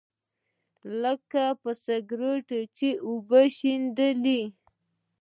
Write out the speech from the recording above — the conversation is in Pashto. لکه پر سکروټو چې اوبه وشيندې.